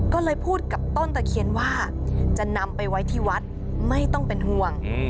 ก็เลยพูดกับต้นตะเคียนว่าจะนำไปไว้ที่วัดไม่ต้องเป็นห่วง